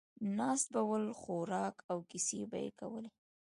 ناست به ول، خوراک او کیسې به یې کولې.